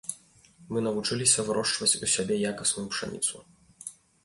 Мы навучыліся вырошчваць у сябе якасную пшаніцу.